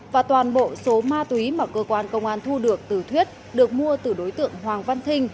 và toàn bộ số ma túy mà cơ quan công an thu được từ thuyết được mua từ đối tượng hoàng văn thinh